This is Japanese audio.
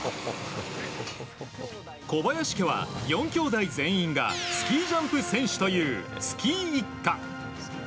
小林家は４きょうだい全員がスキージャンプ選手というスキー一家。